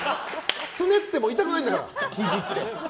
つねっても痛くないんだから、ひじって。